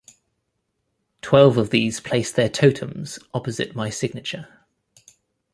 Twelve of these placed their totems opposite my signature.